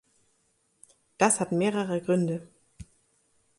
Das hat mehrere Gründe.